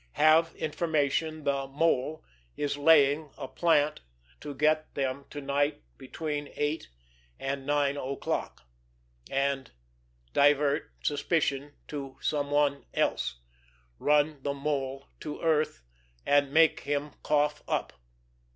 Have information the Mole is laying a plant to get them to night between eight and nine o'clock, and divert suspicion to some one else. Run the Mole to earth and make him cough up.